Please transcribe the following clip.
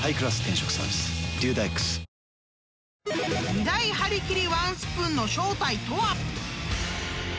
［２大はりきりワンスプーンの正体とは？］